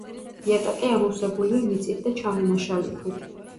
იატაკი ამოვსებულია მიწით და ჩამონაშალი ქვით.